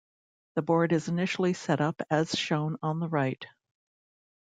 The board is initially set up as shown on the right.